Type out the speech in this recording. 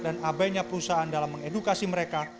dan abainya perusahaan dalam mengedukasi mereka